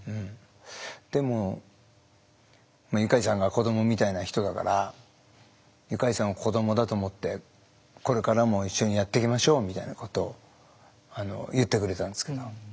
でもユカイさんが子供みたいな人だからユカイさんを子供だと思ってこれからも一緒にやっていきましょうみたいなことを言ってくれたんですけど。